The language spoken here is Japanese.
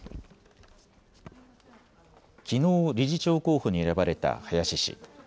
きのう理事長候補に選ばれた林氏。